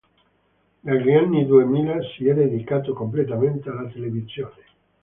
Dagli anni duemila si è dedicato completamente alla televisione.